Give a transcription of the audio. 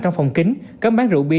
trong phòng kính cấm bán rượu bia